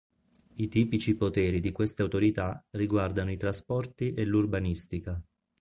I tipici poteri di queste autorità riguardano i trasporti e l’urbanistica.